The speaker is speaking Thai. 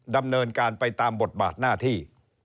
ดำเนินการไปตามบทบาทหน้าที่